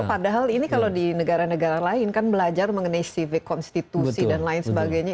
padahal ini kalau di negara negara lain kan belajar mengenai civic konstitusi dan lain sebagainya